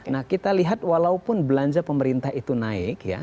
nah kita lihat walaupun belanja pemerintah itu naik ya